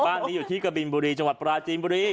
บ้านนี้อยู่ที่กะบินบุรีจังหวัดปราจีนบุรี